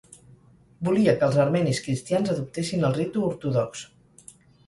Volia que els armenis cristians adoptessin el ritu ortodox.